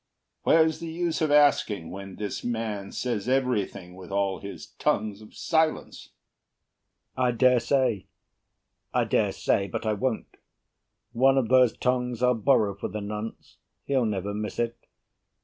Where's the use Of asking when this man says everything, With all his tongues of silence? BURR I dare say. I dare say, but I won't. One of those tongues I'll borrow for the nonce. He'll never miss it.